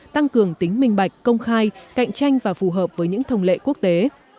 tăng cường tính minh bạch công khai cạnh tranh và phù hợp với những thông lệ quốc tế